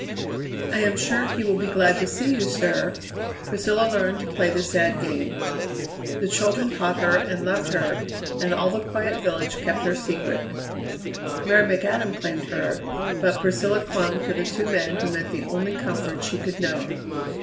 "I am sure he will be glad to see you, sir." Priscilla learned to play the sad game. The children taught her and loved her, and all the quiet village kept her secret. Mary McAdam claimed her, but Priscilla clung to the two men who meant the only comfort she could know.